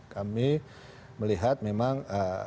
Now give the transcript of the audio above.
kami melihat memang